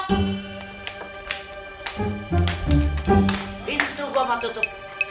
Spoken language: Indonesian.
pintu gue mau tutup